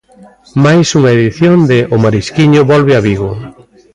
Máis unha edición de "O Marisquiño" volve a Vigo.